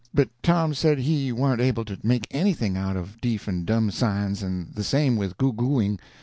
But Tom said he warn't able to make anything out of deef and dumb signs, and the same with goo gooing.